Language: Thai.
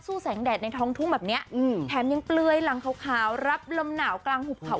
แสงแดดในท้องทุ่งแบบเนี้ยอืมแถมยังเปลือยหลังขาวขาวรับลมหนาวกลางหุบเขา